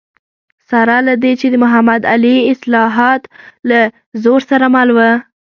سره له دې چې د محمد علي اصلاحات له زور سره مل و.